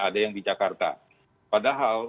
ada yang di jakarta padahal